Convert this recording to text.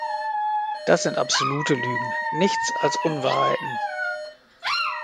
Das sind absolute Lügen, nichts als Unwahrheiten.